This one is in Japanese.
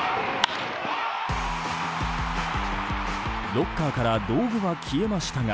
ロッカーから道具は消えましたが